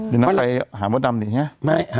เดี๋ยวนางไปหามดดำดิเนี่ย